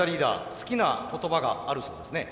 好きな言葉があるそうですね。